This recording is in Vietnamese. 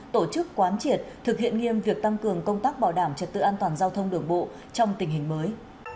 tổ chức quán triệt thực hiện nghiêm việc tăng cường công tác bảo đảm trật tự an toàn giao thông đường bộ trong tình hình mới